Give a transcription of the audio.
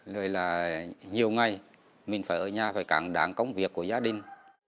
rồi là nhiều ngày mình phải ở nhà phải cản đáng công việc của gia đình